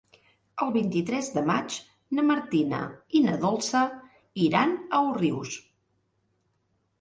El vint-i-tres de maig na Martina i na Dolça iran a Òrrius.